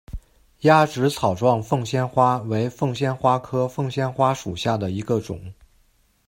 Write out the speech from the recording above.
鸭跖草状凤仙花为凤仙花科凤仙花属下的一个种。